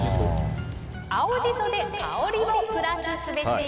青ジソで香りをプラスすべし。